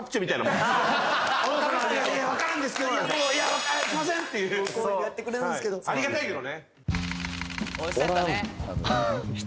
もうすいませんっていうご厚意でやってくれるんですけどありがたいけどねおいし